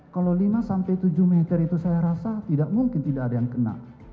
kalau lima sampai tujuh meter itu saya rasa tidak mungkin tidak ada yang kena